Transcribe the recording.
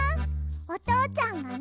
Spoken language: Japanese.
おとうちゃんがね